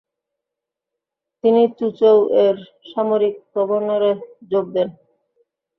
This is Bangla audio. তিনি চুচৌয়ের সামরিক গভর্নরে যোগ দেন।